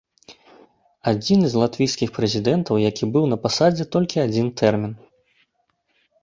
Адзіны з латвійскіх прэзідэнтаў, які быў на пасадзе толькі адзін тэрмін.